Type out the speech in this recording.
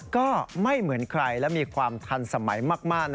ก็ไม่เหมือนใครและมีความทันสมัยมาก